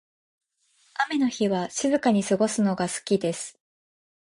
雨の日は静かに過ごすのが好きです。